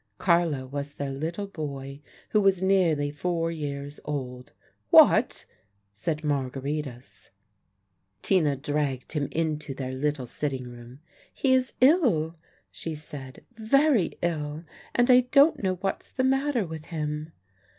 Carlo was their little boy, who was nearly four years old. "What?" said Margaritis. Tina dragged him into their little sitting room. "He is ill," she said, "very ill, and I don't know what's the matter with him."